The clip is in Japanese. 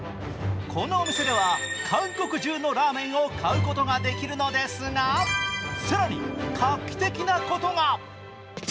このお店では韓国中のラーメンを買うことができるのですが、更に画期的なことが。